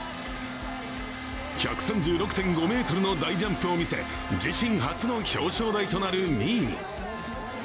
１３６．５ｍの大ジャンプを見せ、自身初の表彰台となる２位に。